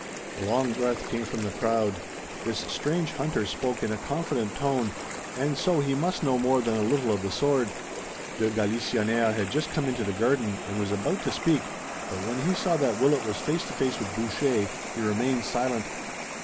A long breath came from the crowd. This strange hunter spoke in a confident tone, and so he must know more than a little of the sword. De Galisonnière had just come into the garden, and was about to speak, but when he saw that Willet was face to face with Boucher he remained silent.